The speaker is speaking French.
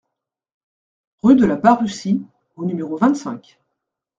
Rue de la Barrussie au numéro vingt-cinq